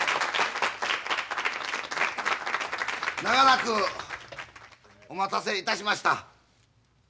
長らくお待たせいたしました。